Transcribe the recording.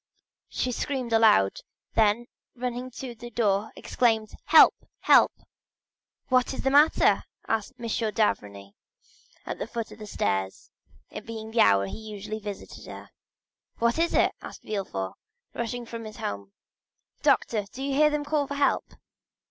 She screamed aloud; then running to the door exclaimed: "Help, help!" 50083m "What is the matter?" asked M. d'Avrigny, at the foot of the stairs, it being the hour he usually visited her. "What is it?" asked Villefort, rushing from his room. "Doctor, do you hear them call for help?"